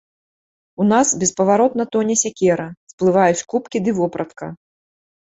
У нас беспаваротна тоне сякера, сплываюць кубкі ды вопратка.